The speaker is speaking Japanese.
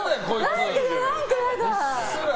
何か嫌だ！